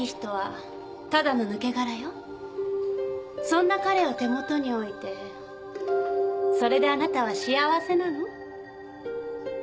そんな彼を手元に置いてそれであなたは幸せなの？